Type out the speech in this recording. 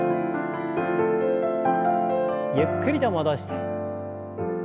ゆっくりと戻して。